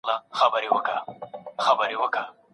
ایا ړوند ډاکټر به په ګڼ ځای کي اوږده کیسه وکړي؟